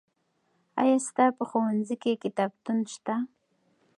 آیا ستا په ښوونځي کې کتابتون شته؟